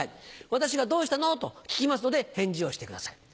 私が「どうしたの？」と聞きますので返事をしてください。